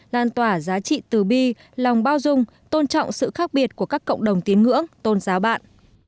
lan tỏa giá trị từ bi lòng bao dung tôn trọng sự khác biệt của các cộng đồng tín ngưỡng tôn giáo bạn